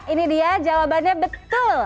ini dia jawabannya betul